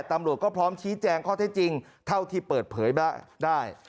ตำรวจก็พร้อมชี้แจงข้อเท็จจริงเท่าที่เปิดเผยได้